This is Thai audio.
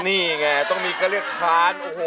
นี่ไงต้องมีความคลาญโอ้โห